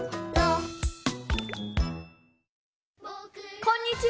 こんにちは！